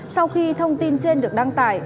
sau khi thông tin trên được đăng tải